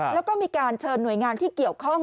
แล้วก็มีการเชิญหน่วยงานที่เกี่ยวข้อง